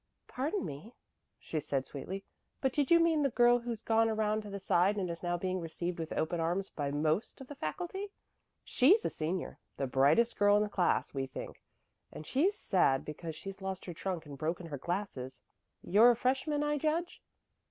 "Pardon me," she said sweetly, "but did you mean the girl who's gone around to the side and is now being received with open arms by most of the faculty? She's a senior, the brightest girl in the class, we think, and she's sad because she's lost her trunk and broken her glasses. You're a freshman, I judge?"